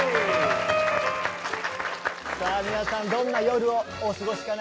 さあ皆さんどんな夜をお過ごしかな？